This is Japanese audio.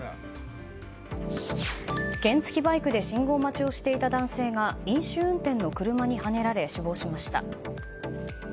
原付きバイクで信号待ちをしていた男性が飲酒運転の車にはねられ死亡しました。